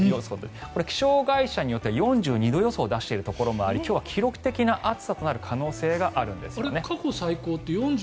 これ、気象会社によっては４２度予想を出しているところもあって今日は記録的な暑さとなる可能性があるんです。